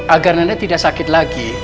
agar anda tidak sakit lagi